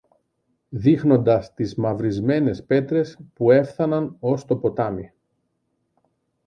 δείχνοντας τις μαυρισμένες πέτρες που έφθαναν ως το ποτάμι.